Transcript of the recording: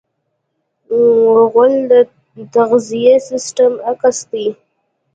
غول د تغذیې سیستم عکس دی.